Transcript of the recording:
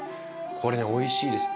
これねおいしいです。